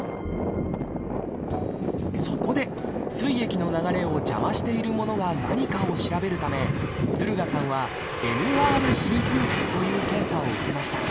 そこで膵液の流れを邪魔しているものが何かを調べるため敦賀さんは「ＭＲＣＰ」という検査を受けました。